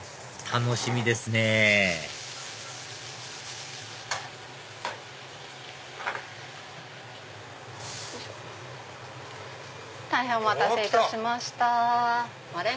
楽しみですね大変お待たせいたしました。来た！